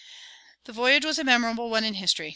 The voyage was a memorable one in history.